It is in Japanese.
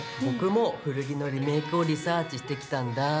僕も古着のリメイクをリサーチしてきたんだ。